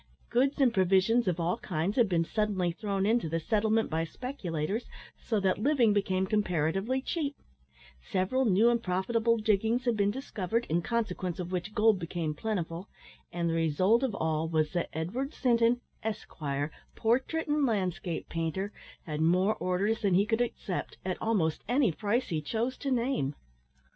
Goods and provisions of all kinds had been suddenly thrown into the settlement by speculators, so that living became comparatively cheap; several new and profitable diggings had been discovered, in consequence of which gold became plentiful; and the result of all was that Edward Sinton, esquire, portrait and landscape painter, had more orders than he could accept, at almost any price he chose to name.